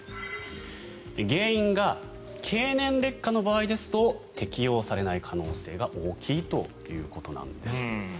原因が経年劣化の場合ですと適用されない可能性が大きいということなんです。